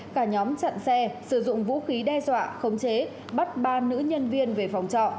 cả nhóm chặn xe sử dụng vũ khí đe dọa khống chế bắt ba nữ nhân viên về phòng trọ